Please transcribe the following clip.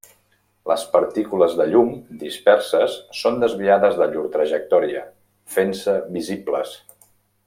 Les partícules de llum disperses són desviades de llur trajectòria, fent-se visibles.